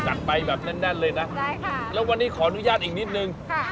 จัดไปแบบแน่นแน่นเลยนะได้ค่ะแล้ววันนี้ขอนุญาตอีกนิดหนึ่งค่ะ